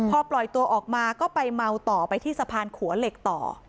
พอปล่อยตัวออกมาก็ไปเมาต่อไปที่สะพานขัวเหล็กต่อ